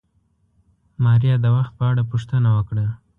ماريا د وخت په اړه پوښتنه وکړه.